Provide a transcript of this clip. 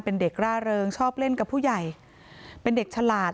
เป็นเด็กร่าเริงชอบเล่นกับผู้ใหญ่เป็นเด็กฉลาด